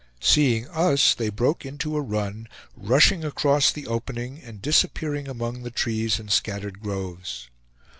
Seeing us, they broke into a run, rushing across the opening and disappearing among the trees and scattered groves.